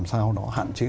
làm sao nó hạn chế